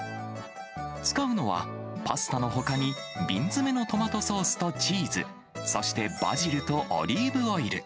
使うのは、パスタのほかに瓶詰のトマトソースとチーズ、そしてバジルとオリーブオイル。